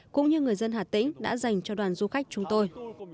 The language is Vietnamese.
cũng như người dân hà tĩnh đã dành cho đoàn du khách chúng tôi